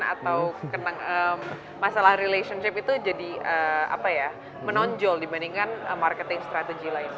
atau masalah relationship itu jadi menonjol dibandingkan marketing strategy lainnya